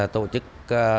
tổ chức truyền